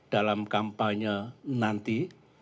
dalam kampanye nanti